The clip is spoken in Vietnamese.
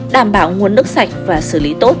đảm bảo nguồn nước sạch và xử lý tốt